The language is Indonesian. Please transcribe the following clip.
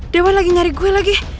dewan lagi nyari gue lagi